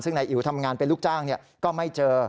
ซึ่งนายอิ๋วทำงานเป็นลูกจ้างก็ไม่เจอ